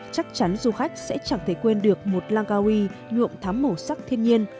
chắc chắn du khách sẽ chẳng thể quên được một langkawi nhuộm thắm màu sắc thiên nhiên